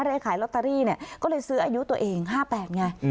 เลขขายลอตเตอรี่เนี่ยก็เลยซื้ออายุตัวเอง๕๘ไง